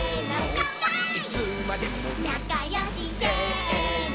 「なかよし」「せーの」